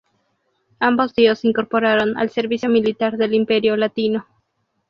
Ambos tíos se incorporaron al servicio militar del Imperio latino.